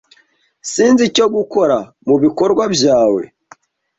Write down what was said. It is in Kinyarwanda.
Sinzi icyo gukora mubikorwa byawe.